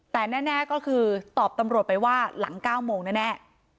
แต่แน่ก็คือตอบตำรวจไปว่าหลัง๙โมงแน่